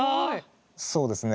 そうですね。